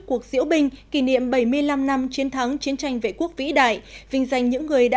cuộc diễu binh kỷ niệm bảy mươi năm năm chiến thắng chiến tranh vệ quốc vĩ đại vinh danh những người đã